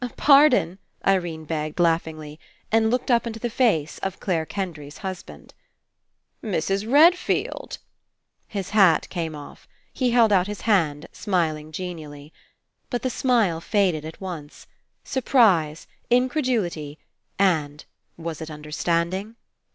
"Pardon," Irene begged laughingly, and looked up Into the face of Clare Kendry's husband. "Mrs. Redfield!" His hat came off. He held out his hand, smiling genially. But the smile faded at once. Surprise, 182 FINALE incredulity, and — was it understanding?